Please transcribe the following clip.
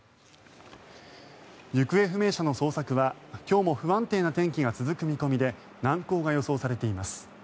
行方不明者の捜索は、今日も不安定な天気が続く見込みで難航が予想されています。